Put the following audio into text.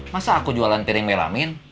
masa aku jualan piring melamin